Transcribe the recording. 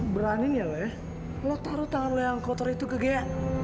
berani gak lo ya lo taruh tangan lo yang kotor itu ke gaya